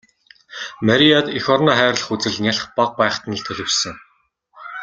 Марияд эх орноо хайрлах үзэл нялх бага байхад нь л төлөвшсөн.